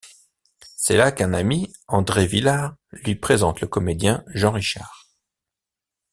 C’est là qu’un ami, André Vylar lui présente le comédien Jean Richard.